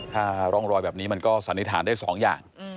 ถ้าร่องรอยแบบนี้มันก็สันนิษฐานได้๒อย่าง